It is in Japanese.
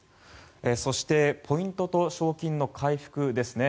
そして、ポイントと賞金の回復ですね。